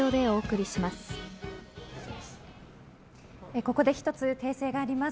ここで１つ訂正があります。